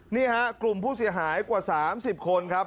นี่ฮะกลุ่มผู้เสียหายกว่า๓๐คนครับ